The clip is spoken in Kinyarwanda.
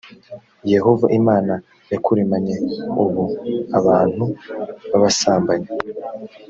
yehova imana yakuremanye ubuabantu b abasambanyi